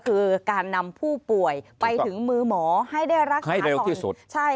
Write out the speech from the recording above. คือการนำผู้ป่วยไปถึงมือหมอให้ได้รักษาให้เร็วที่สุดใช่